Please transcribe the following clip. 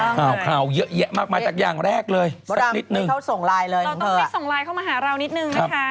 เขาส่งไลน์เลยอย่างเธออะเราต้องไปส่งไลน์เข้ามาหาเรานิดหนึ่งนะคะ